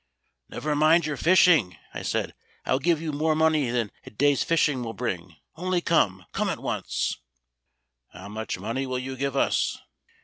"Never mind your fishing," I said, "I will give you more money than many a day's fishing will bring; only come come at once!" "How much money will you give us?"